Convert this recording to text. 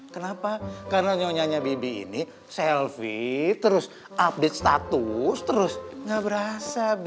kenapa karena nyonya bibi ini selfie terus update status terus gak berasa